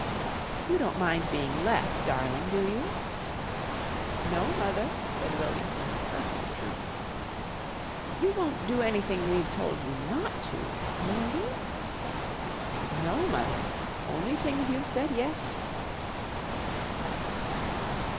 "You don't mind being left, darling, do you?" "No, mother," said William with perfect truth. "You won't do anything we've told you not to, will you?" "No, mother. Only things you've said 'yes' to."